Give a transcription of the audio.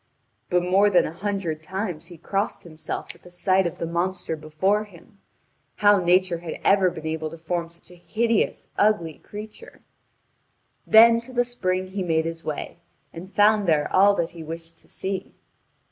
But more than a hundred times he crossed himself at sight of the monster before him how Nature had ever been able to form such a hideous, ugly creature. Then to the spring he made his way, and found there all that he wished to see.